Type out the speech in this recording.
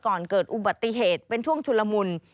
ก่อนเกิดอุบัติเหตุเป็นช่วงชุลมุน